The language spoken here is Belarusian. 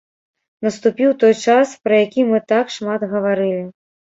Наступіў той час, пра які мы так шмат гаварылі.